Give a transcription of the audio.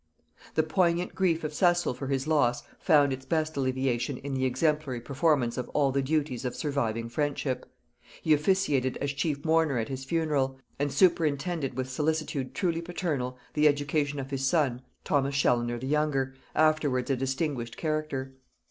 The poignant grief of Cecil for his loss found its best alleviation in the exemplary performance of all the duties of surviving friendship. He officiated as chief mourner at his funeral, and superintended with solicitude truly paternal the education of his son, Thomas Chaloner the younger, afterwards a distinguished character.